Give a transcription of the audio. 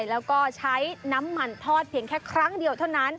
แล้วก็ใช้น้ำมันทอดเพียงแค่ครั้งเดียวเท่านั้น